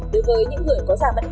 đối với những người có dạng bất cảm